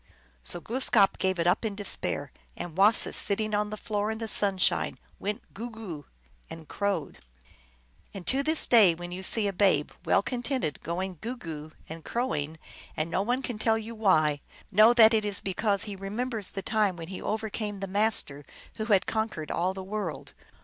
So Glooskap gave it up in despair, and Wasis, sit ting on the floor in the sunshine, went goo ! goo ! and crowed. 122 THE ALGONQUIN LEGENDS. And to this day when you see a babe well con tented, going goo / goo / and crowing, and no one can tell why, know that it is because he remembers the time when he overcame the Master who had con quered all the world.